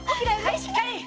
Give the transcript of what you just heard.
はいしっかり！